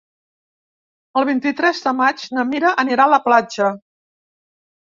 El vint-i-tres de maig na Mira anirà a la platja.